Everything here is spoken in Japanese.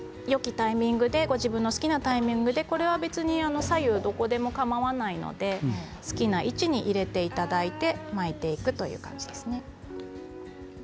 ご自分の好きなタイミングで左右どこでもかまわないので好きな位置に入れていただいて巻いていくという感じですね。